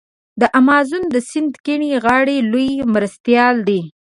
د امازون د سیند کیڼې غاړي لوی مرستیال دی.